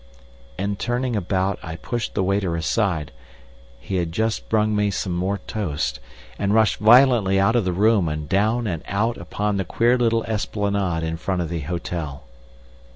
and turning about I pushed the waiter aside—he was just bringing me some more toast—and rushed violently out of the room and down and out upon the queer little esplanade in front of the hotel.